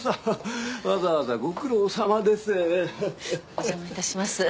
お邪魔いたします。